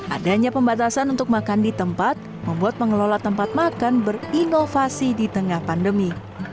adanya pembatasan untuk makan di tempat membuat pengelola tempat makan berinovasi di tengah pandemi